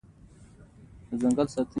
الوتکه له باران سره مقابله کوي.